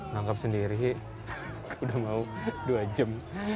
nangkep sendiri udah mau dua jam